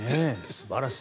素晴らしい。